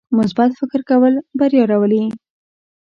مثبت فکر کول بریا راولي.